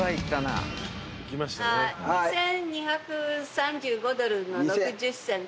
２，２３５ドルの６０セント。